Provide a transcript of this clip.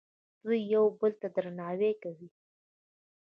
دوی یو بل ته درناوی کوي.